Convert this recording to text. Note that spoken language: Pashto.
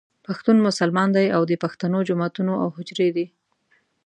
پښتون مسلمان دی او د پښتنو جوماتونه او حجرې دي.